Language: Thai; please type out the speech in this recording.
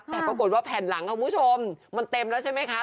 แต่ปรากฏว่าแผ่นหลังค่ะคุณผู้ชมมันเต็มแล้วใช่ไหมคะ